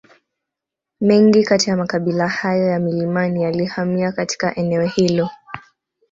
Mengi kati ya makabila hayo ya milimani yalihamia katika eneo hilo